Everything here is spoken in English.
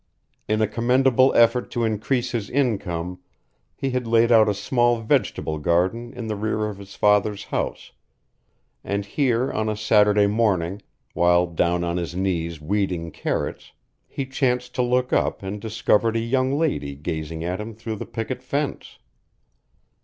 In a commendable effort to increase his income he had laid out a small vegetable garden in the rear of his father's house, and here on a Saturday morning, while down on his knees weeding carrots, he chanced to look up and discovered a young lady gazing at him through the picket fence.